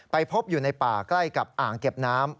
พบอยู่ในป่าใกล้กับอ่างเก็บน้ำ